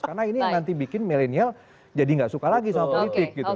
karena ini nanti bikin millennial jadi gak suka lagi sama politik gitu loh